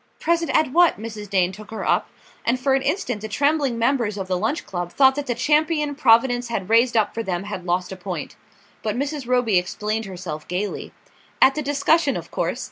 "Present at what?" Mrs. Dane took her up; and for an instant the trembling members of the Lunch Club thought that the champion Providence had raised up for them had lost a point. But Mrs. Roby explained herself gaily: "At the discussion, of course.